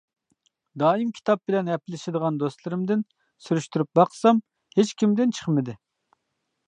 دائىم كىتاب بىلەن ھەپىلىشىدىغان دوستلىرىمدىن سۈرۈشتۈرۈپ باقسام، ھېچكىمدىن چىقمىدى.